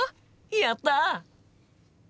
やった！